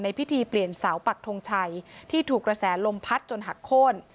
พิธีเปลี่ยนเสาปักทงชัยที่ถูกกระแสลมพัดจนหักโค้น